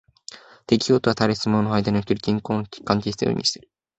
適応とは対立するものの間における均衡の関係を意味している。